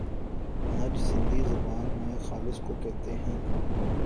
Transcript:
نج سندھی زبان میں خالص کوکہتے ہیں۔